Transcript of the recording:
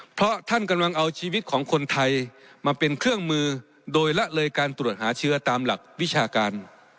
เพราะท่านกำลังเอาชีวิตของคนไทยมาเป็นเครื่องมือโดยละเลยการตรวจหาเชื้อตามหลักวิชาการ